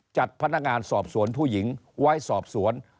จัดพนักงานสอบสวนผู้หญิงไว้สอบสวน